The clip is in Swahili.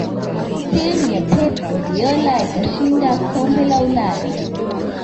timu ya pep guardiola ikashinda kombe la ulaya